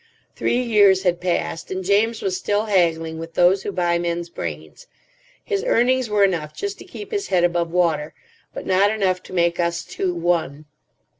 Three years had passed, and James was still haggling with those who buy men's brains. His earnings were enough just to keep his head above water, but not enough to make us two one.